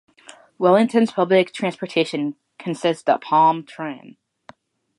Wellington's public transportation consists of Palm Tran.